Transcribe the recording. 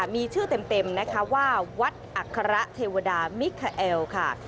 มีชื่อเต็มว่าวัดอัครเทวดามิโคเอล